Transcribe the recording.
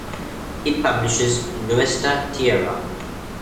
It publishes "Nuestra Tierra".